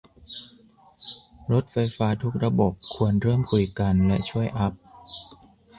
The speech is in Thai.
รถไฟฟ้าทุกระบบควรเริ่มคุยกัน และช่วยอัพ